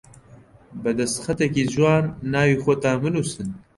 بە دەستخەتێکی جوان ناوی خۆتان بنووسن